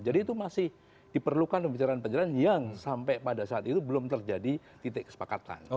jadi itu masih diperlukan pembicaraan pembicaraan yang sampai pada saat itu belum terjadi titik kesepakatan